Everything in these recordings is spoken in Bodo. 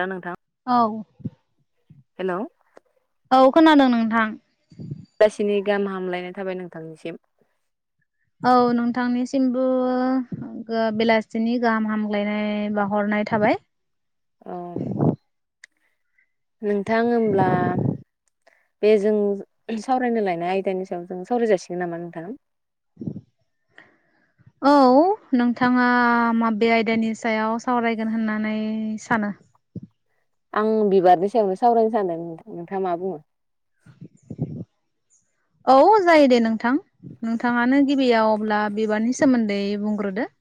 ना नोंथां। औ। हेलौ। औ खोनादों नोंथां। बेलासिनि गाहाम हामलायनाय थाबाय नोंथांनिसिम। औ नोंथांनिसिमबो बेलासिनि गाहाम हामलायनाय बाहरनाय थाबाय। औ नोंथां होमब्ला बे जों सावरायनो लायनाय आयदानि सायाव जों सावराय जासिगोन नामा नोंथां। औ नोंथाङा माबे आयदानि सायाव सावरायगोन होननानै सानो। आं बिबारनि सायावनो सावरायनो सानदों नोंथाङा मा बुङो‌। औ जायो दे नोंथां नोंथाङानो गिबियाव अब्ला बिबारनि सोमोन्दै बुंग्रोदो।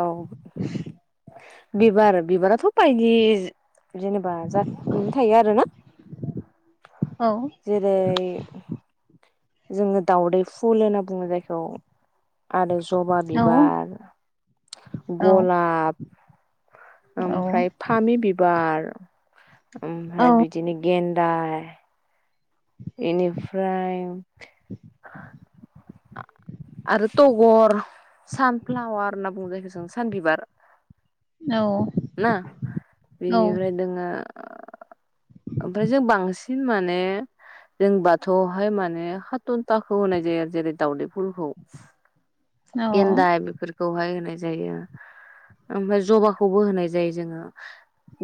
औ। बिबार बिबाराथ बायदि। जेनेबा जात थायो आरो ना। औ जेरै। जोङो दावदै फुल होनना बुङो जायखौ। आरो जबा औ बिबार औ गलाब। औ ओमफ्राय फामि बिबार। औ ओमफ्राय बिदिनो गेन्द। दा। बेनिफ्राय आरो गर सानफ्लावार होनना बुंनाय जायो जायखौ जों सानबिबार। औ ना औ बेनिफ्राय दङ। ओमफ्राय जों बांसिन माने जों बाथौआवहाय माने हाथनथाखौ होनाय जायो आरो जेरै दावदै फुलखौ औ गेन्दाय बेफोरखौहाय होनाय। ओमफ्राय जबाखौबो होनाय जायो जोङो।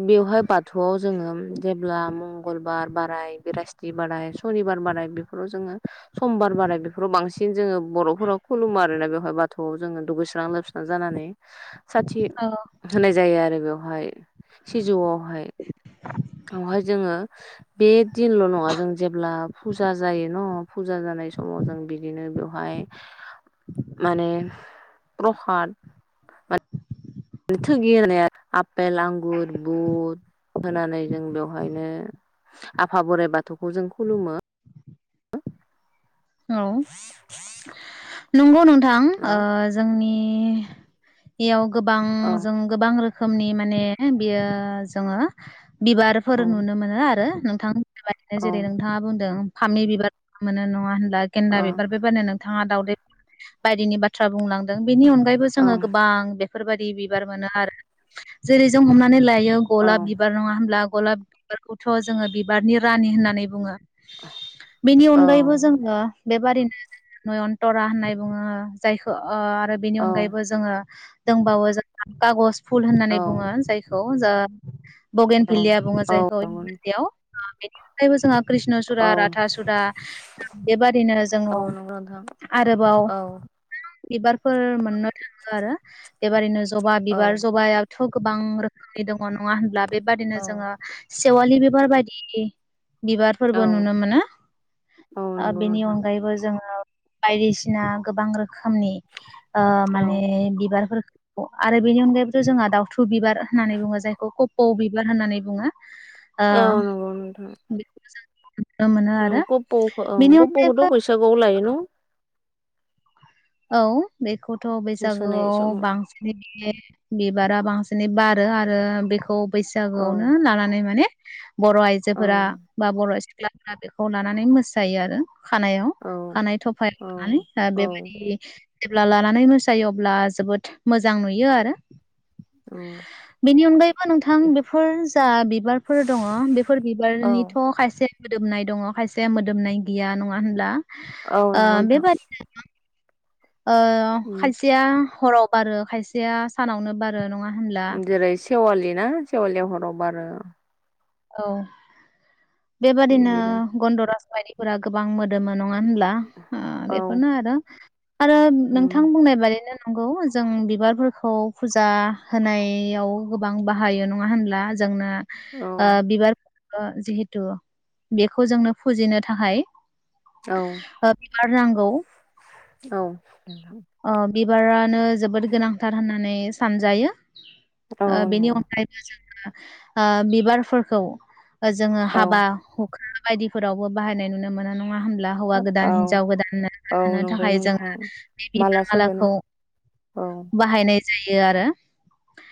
बेवहाय बाथौआव जोङो जेब्ला मंगलबार बाराय बृहस्पति बाराय सनिबार बाराय बेफोराव जोङो समबार बाराय बेफोराव बांसिन जोङो बरफोरा खुलुमो आरोना बे ओमाय बाथौआव जोङो दुगैस्रां लोबस्रां जानानै साथि होनाय जायो आरो बेयाव हाय सिजौआव हाय उनावहाय जोङो बे दिनल नङा जों जेब्ला फुजा जायो न फुजा जानाय समाव जों बिदिनो बेवहाय माने प्रसाद थगि होनाय आरो आफेल आंगुर बुद होनानै जों बेवहायनो आफा बोराइ बाथौखौ जों खुलुमो औ नंगौ नों थां औ ओ जोंनि ए एआव गोबां औ जों गोबां रोखोम खोमनि माने बियो जोङो बिबारफोर औ नुनो मोनो आरो थां बेबादिनो जेरै औ नोंथाङा बुंदों फामि बिबार मोनो नङा होन बा गेन्दा बिबार बे [unintelligible] थाङा दावदै बायदिनि बाथ्रा बुंलां दों। बेनि अनगायैबो औ जोङो गोबां फोरबादि बिबार मोनो आरो जेरै जों हमनानै लाय औ गलाब बिबार नङा होमब्ला? गलाब बिबारखौथ' जोङो बिबारनि रानि होननानै बुङो। बेनि औ अनगायैबो जोङो बेबारिनो जोङो नयनतरा होननाय बुङो जायखौ अ आरो बेनि औ अनगायैबो जोङो दोंबावो जोंहा कागज फुल होननानै औ बुङो जायखौ औ जा बगेन भेलिया बुङो औ जायखौ इंराजियाव बेनि अनगायैबो जोङो कृष्ण औ सुरा राधा सुरा बेबादिनो जोङो नंगौ नोंथां आरोबाव औ बिबारफोर मोननो थाङो आरो बेबारिनो जबा औ बिबार जबायाथ' गोबां रोखोमनि दङ नङा होनब्ला? बेबादिनो औ जोङो सेेवालि बिबार बादि बिबारफोरबो औ नुनो मोनो। औ ओ नंगौ बेनि नोंथां अनगायैबो जोङो बायदिसिना गोबां रोखोमनि ओ औ माने बिबारफोर आरो बेनि अनगायैबोथ' जोंहा दाउथु बिबार होननानै बुङो जायखौ कप औ बिबार होननानै बुङो। ओ औ नंगौ नोंथां बेखोबो जों। ओ मोनो आरो गब'खौ ओं बेनि अनगायैबो खप्पौखोथ बैसागोआव लायो न' औ बे खौथ' मोसानाय बैसागोआव समाव बांसिनै नेयो बिबारा बांसिनै बारो आरो बेखौ। औ बैसागोआवनो लानानै माने। बर' औ आइजोफोरा बा बर' सु ग्लाफ्रा बेखौ लानानै मोसायो आरो। खानायाव औ खानाय थफायाव औ लानानै औ बेबाय जेब्ला लानानै मोसायो अब्ला जोबोद मोजां नुयो आरो औ बेनि अनगायैबो नोंथां बेफोर जा बिबारफोर दङ बेफोर औ बिबारनिथ' खायसे मोदोमनाय दङ खायसेया मोदोमनाय गैया नङा होनब्ला? औ ओ नंगौ नोंथां बेबारिनो गोबां ओ उम खायसिया। हराव बारो खायसेया सानावनो बारो नङा होनब्ला जेरै सेवालि ना सेवालिया हराव बारो। औ बेबादिनो बिदिनो गन्दरास बायदि फोरा गोबां मोदोमोनो न नंङा होनब्ला ओ औ बेफोरनो आरो। आरो उम नोंथां बुंनाय बादिनोन नंगौ जों बिबारफोरखौ फुजा होनायाव गोबां बाहायो नङा होनब्ला ज जोंनो‌ औ ओ बिबार ओ जिहेथु बेखौ जोंनो फुजिनो थाखाय औ ओब बार नांगौ। औ ओ बिबारानो जोबोद गोनांथार होननानै सानजायो। औ ओ बेनि नंगौ अनगायैबो जों ओ बिबारफोरखौ जोङो औ हाबा हुखा बायदिफोरावबो बाहायनाय नुनो मोना नङा नङा होमब्ला हौवा गोदान औ हिनजाव गोदान औ थानो नंगौ थाखाय जोङो नोंथां बिबार माला सोहोनो मालाखौ औ बाहायनाय नाय जायो आरो।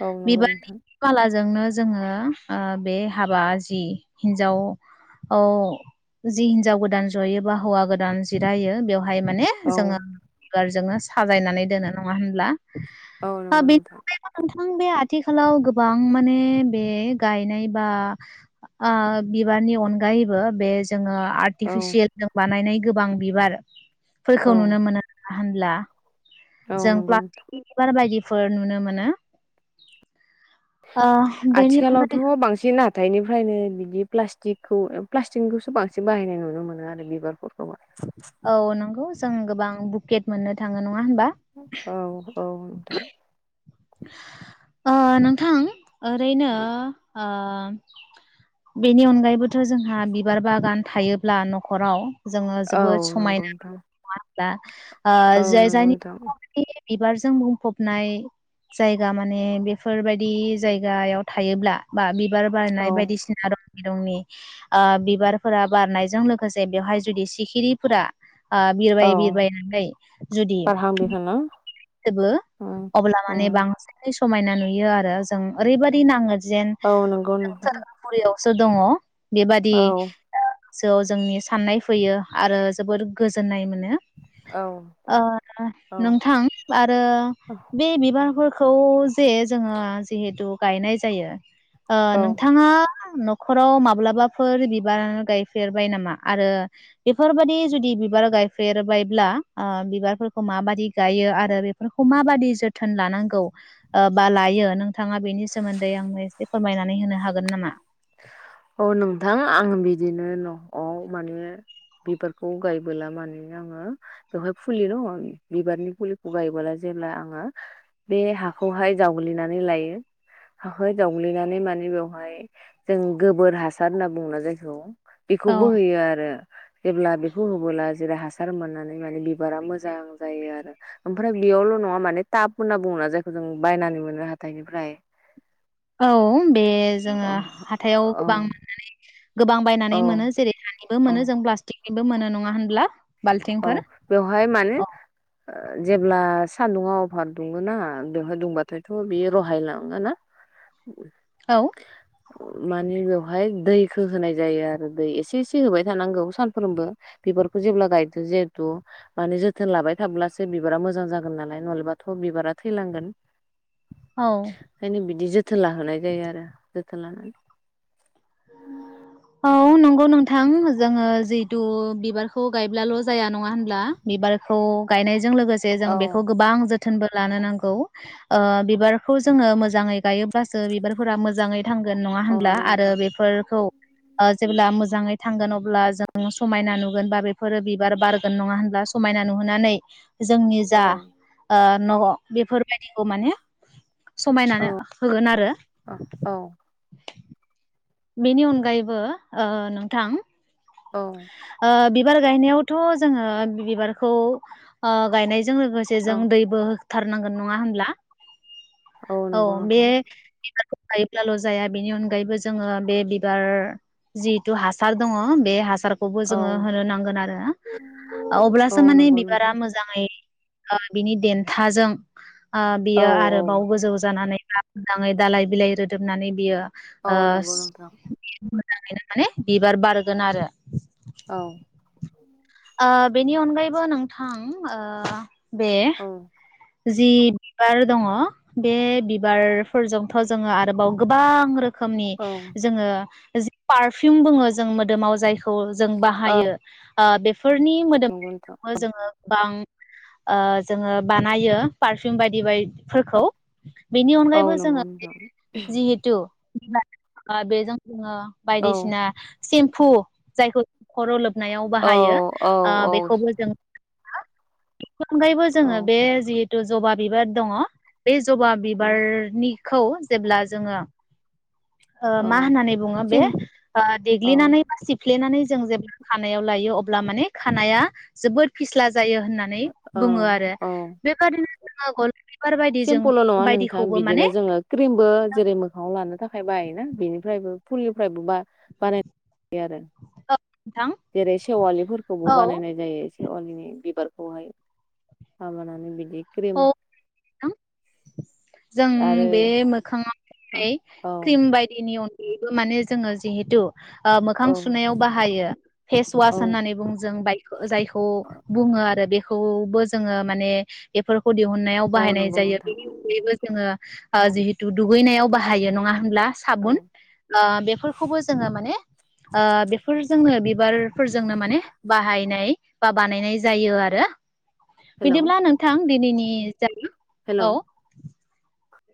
औ नंगौ नोंथां। जोंनो जोङो ओ बे हाबा जि हिनजाव-ओ जि हिनजाव गोदान जयो बा हौवा गोदान जिरायो बेयाव बाहाय माने औ जोङो जोंनो साजायनानै दोनो नङा होनब्ला औ नंगौ बे नोंथां [unintelligible] आं बे आथिखालाव गोबां माने बे गायनाय बा आ बिबारनि अनगायैबो बे जोङो औ आर्टिफिसियेल जों बानायनाय गोबां बिबार औ फोरखौ नुनो मोनो। होनब्ला औ जों नंगौ प्लाटिक बिबार बायदि फोर नुनो मोनो। ओ बेनि अनगायै आथिखालावथ' बांसिन हाथथायनिफ्रायनो बिदि प्लास्टिकखौ प्लास्टिकखौसो बांसिन बाहायनाय नुनो मोनो आरो बिबारखौ। औ नंगौ जों गोबां केट मोननो थाङो न ङा होमबा औ औ नोंथां ओ नोंथां ओरैनो ओ बेनि अनगायैबोथ' जोंहा बिबार बागान थायोब्ला न'खराव जोङो जोबोद औ नंगौ समायना नोंथां [unintelligible] नङा दा ओ औ नंगौ जायजायनि नोंथां [unintelligible] बिबारजों बुंफबनाय जायगा माने बेफोरबायदि जायगायाव थायोब्ला बा बि बार औ बारनाय बायदिसिना [unintelligible] रंनि ओ बिबारफोरा बारनायजों लोगोसे बेवहाय जुदि सिखिरिफोरा आ औ बिरबाय बिरबायनानै जुदि बारहां [unintelligible] बिरहां ना सोबो उम अब्ला उम माने बांसिनै सु समायना नुयो आरो जों ओरैबादि नाङो जेन औ नंगौ जों नोंथां सोर्गोपुरियाव सो दङ'। बेबादि औ ओ जौ जोंनि साननाय फैयो आरो जोबोद गोजोननाय मोनो। नो औ ओ औ नोंथां आरो बे बिबाफोर खौ जे जोङो जिहेथु गायनाय जायो। ओह औ नोंथाङा नखराव माब्लाबाफोर बिबार गायफेरबाय नामा आरो बेफोरबादि जुदि बिबार गायफेरबायब्ला ओह बिबारफोरखौ माबादि गायो आ रो बेफोरखौ माबादि जोथोन लानांगौ ओ बा लायो नोंथाङा बेनि सोमोन्दै आंनो एसे फोरमायनानै होनो हागोन नामा? औ नोंथां आं बिदिनो न'आव माने बिबारखौ गायबोला माने आङो बेवहाय फुलि दङ' बिबारनि फुलिखौ गायबोला जेब्ला आङो बे हाखौहाय जावग्लिनानै लायो हाखौहाय जावग्लिनानै माने बेवहाय जों गोबोर हासार होनना बुङोना जायखौ औ बेखौबो होयो आरो जेब्ला बेखौ होबोला जेरै हा हासार मोननानै माने बिबारा मोजां जायो आरो ओमफ्राय बेयावल नङा माने टाब होनना बुङोना जायखौ जों बायनानै मोनो हाथायनिफ्राय औ बे जोङो हा थायाव औ गोबां मोननानै गोबां बायनानै मोनो जेरैहाय बेबो औ मोनो जों प्लास्टिक बो मोनो नङा होनब्ला? औ बाल्थिंफोर बेवहाय माने औ ओ जेब्ला सान्दुङा अभार दुङो ना दुंहो दुंबाथायथ बियो रहाय लाङो ना? औ। माने बेवहाय दैखौ होनाय जायो आरो दै एसे एसे होबाय थानांगौ सानफ्रोमबो बिबारखौ जेब्ला गायदो जिहेथु माने जोथोन लाबाय थाब्लासो बिबारा मोजां जागोन नालाय नलाबाथ बिबारा थैलांगोन। औ खायनो बिदि जोथ थोला होनाय जायो आरो। जोथोलानानै [inaudible] औ नंगौ नोंथां, जोङो जिहेथु बिबारखौ गायब्लाल जाया नङा होनब्ला बिबारखौ गायनाय जों लोगोसे जों औ बेखौ गोबां जोथ थोनबो लानो नागौ ओ बिबारखौ जोङो मोजांङै गायोबासो बिबारफोरा मोजायै थांगोन नङा औ होनब्ला नंगौ आरो नोंथां बे खौ ओ जेब्ला मोजाङै थांगोन अब्ला जों समायना नुगोन बा बेफोरो बिबार बारगोन नङा होनब्ला? समायना नुहोनानै जोंनि औ जा ओ। न' बेफोरबायदिखौ माने समायनानै होगोन आरो। [inaudible] औ बेनि अनगायैबो ओ नोंथां। औ ओ बिबार गायनायावथ' जोङो बिबारखौ ओ गायनाय जों लोगोसे औ जों दैबो बुथारनांगोन नङा होनब्ला? औ नंगौ बे नोंथां गायोब्लाल' जाया बेनि अनगायैबो जोङो बे बिबार जिहथु हासार दङ बे हासार आसारखौबो औ जोङो होनो नांगोन आरो औ अब्लासो माने नंगौ बिबारा नोंथां मोजाङै बिनि देन्थाजों ओ औ बियो औ आरो बाव गोजौ जानानै बा मोजाङै दालाय बिलाइ रोदोबनानै बियो औ ओ नंगौ नोंथां। माने बिबार बारगोन आरो‌। औ ओ बेनि अनगायैबो नोंथां ओ बे औ जि बिबार दङ बे बिबारफोरजोंथ' जोङो आरोबाव गोबां रोख खोमनि औ जोङो जि पारफिउम बुङो जों मोदोमाव जाय खौ जों बाहायो। ओ बे फोरनि मोदोम नंगौ नोंथां [inaudible] जोङो गोबां ओ जोङो बा नायो पारफिउम बायदि बाय फोरखौ बेनि औ अनगायैबो नंगौ जोङो नोंथां जिहेथु ओ बे जों जोङो औ बायदिसिना सेम्फु जायखौ खर' लोबनायाव औ बाहायो औ ओ औ बेखौबो जों [inaudible] अनगायैबो जोङो औ बे जितु जबा बिबार दङ बे जबा बिबारनि खौ जेब्ला जोङो ओ औ मा होननानै बुङो बे सिम ओ औ देग्लिनानै बा सिफ फ्लेनानै जों जेब्ला खानायाव लायो अब ब्ला माने खानायआ जोबोद फिस्ला जायो होननानै औ बुङो आरो। औ [unintelligible] बायदि जों सिम्पोल' नङा नोंथां बायदिखौबो माने बिदिनो जोङो क्रिमबो जेरै मोखाङाव लानो थाखाय बायोना बिनिफ्रायबो फुलनिफ्रायबो बा-बानाय आरो। औ नोंथां जेरै सेवालिफोरखौबो औ बानायनाय जायो। सेवालिनि बिबारखौहाय हाबानानै बिदि औ क्रिम नोंथां जों आरो बे औ मोखाङावहाय औ क्रिम बायदिनि अन बेबो माने जोङो जिहेथु ओ मोखां सुनायाव बाहायो फेस औ वास होननानै बुं जों बाय खो जायखौ बुङो आरो बेखौबो जोङो माने बेफोर खौ दिहुननायाव औ बाहायनाय नंगौ जायो नोंथां बेनि अनगायैबो। जोंयो ओ जिहे थु दुगैनायाव बाहायो नङा होनब्ला औ साबुन ओ बेफोरखौबो जोङो माने। ओ बेफोरजोंनो बिबारफोरजोंनो माने बाहायनाय बा बानायनाय जायो आरो। हेलौ बिदिब्ला नोंथां। दिनैनि जायो हेलौ औ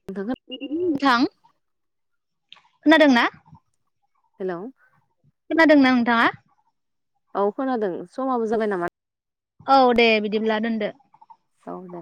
[unintelligible] नोंथां खोनादों ना। हेलौ खोनादोंना नोंथांङा। औ खोनादों समाबो जाबाय नामा। औ दे बिदिब्ला दोनदो औ दे